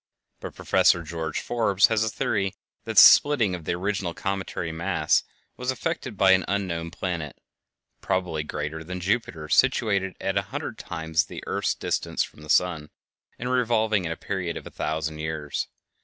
But Prof. George Forbes has a theory that the splitting of the original cometary mass was effected by an unknown planet, probably greater than Jupiter, situated at a hundred times the earth's distance from the sun, and revolving in a period of a thousand years.